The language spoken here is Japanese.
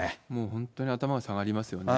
本当に頭が下がりますよね。